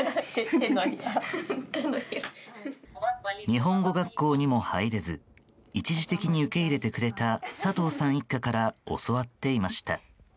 日本語学校にも入れず一時的に受け入れてくれた佐藤さん一家から教わっていました。